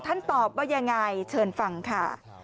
ตอบว่ายังไงเชิญฟังค่ะ